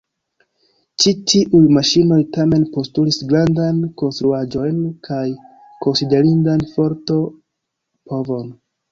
Ĉi tiuj maŝinoj tamen postulis grandajn konstruaĵojn kaj konsiderindan forto-povon.